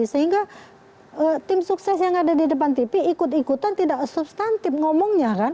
sehingga tim sukses yang ada di depan tv ikut ikutan tidak substantif ngomongnya kan